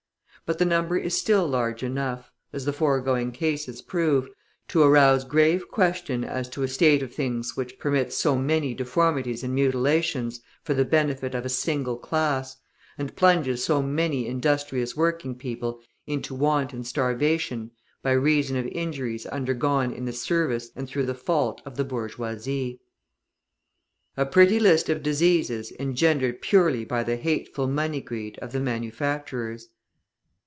But the number is still large enough, as the foregoing cases prove, to arouse grave question as to a state of things which permits so many deformities and mutilations for the benefit of a single class, and plunges so many industrious working people into want and starvation by reason of injuries undergone in the service and through the fault of the bourgeoisie. A pretty list of diseases engendered purely by the hateful money greed of the manufacturers!